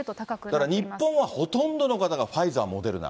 だから日本はほとんどの方がファイザー、モデルナ。